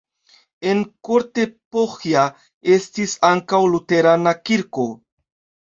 En Kortepohja estis ankaŭ luterana kirko.